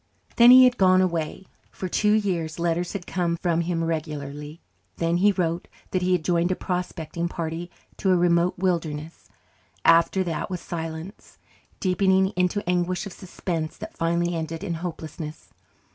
Then he had gone away. For two years letters had come from him regularly. Then he wrote that he had joined a prospecting party to a remote wilderness. After that was silence, deepening into anguish of suspense that finally ended in hopelessness.